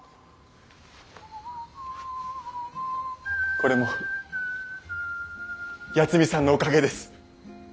これも八海さんのおかげです。